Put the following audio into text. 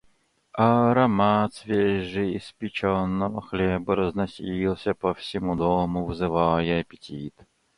Аромат свежеиспеченного хлеба разносился по всему дому, вызывая аппетит.